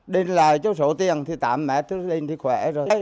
đến lại chỗ sổ tiền thì tám mét thì khỏe rồi